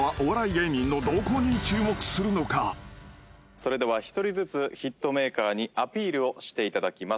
それでは１人ずつヒットメーカーにアピールをしていただきます。